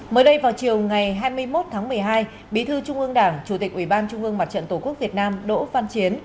mới đây vào chiều ngày hai mươi một tháng một mươi hai bí thư trung ương đảng chủ tịch ủy ban trung ương mặt trận tổ quốc việt nam đỗ văn chiến